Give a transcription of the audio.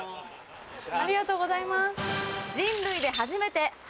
ありがとうございます。